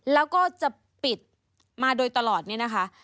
แล้วก็จะปิดมาโดยตลอดเนี่ยนะคะ